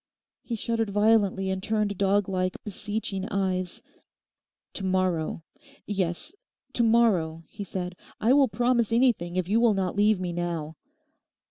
He shuddered violently and turned dog like beseeching eyes. 'To morrow—yes, to morrow,' he said, 'I will promise anything if you will not leave me now.